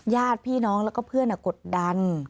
ญาติพี่น้องแล้วก็เพื่อนกดดัน